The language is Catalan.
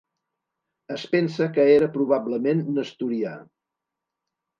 Es pensa que era probablement nestorià.